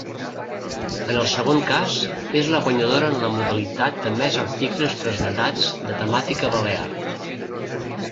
En el segon cas, és la guanyadora en la modalitat de més articles traslladats de temàtica balear.